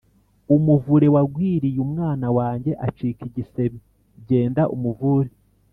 umuvure wagwiriye umwana wange acika igisebe; genda umuvure